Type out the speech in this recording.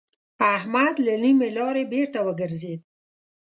احمد له نيمې لارې بېرته وګرځېد.